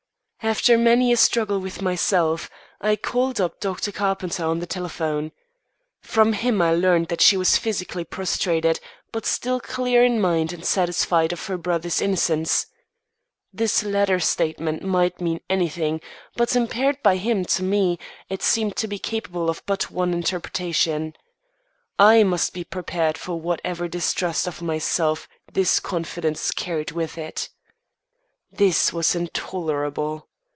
After many a struggle with myself, I called up Dr. Carpenter on the telephone. From him I learned that she was physically prostrated, but still clear in mind and satisfied of her brother's innocence. This latter statement might mean anything; but imparted by him to me, it seemed to be capable of but one interpretation. I must be prepared for whatever distrust of myself this confidence carried with it. This was intolerable.